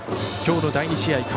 きょうの第２試合